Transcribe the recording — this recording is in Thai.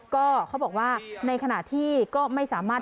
ก็เขาบอกว่าในขณะที่ก็ไม่สามารถ